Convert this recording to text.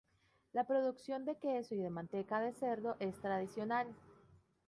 La producción de queso y de manteca de cerdo es tradicional.